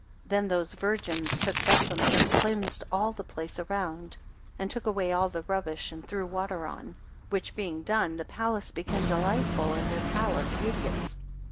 89 Then those virgins took besoms, and cleansed all the place around, and took away all the rubbish, and threw water on; which being done, the palace became delightful, and the tower beauteous.